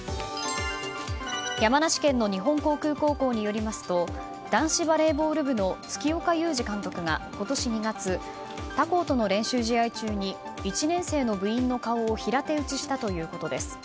山梨県の日本航空高校によりますと男子バレーボール部の月岡裕二容疑者が今年２月他校との練習試合中に１年生の部員の顔を平手打ちしたということです。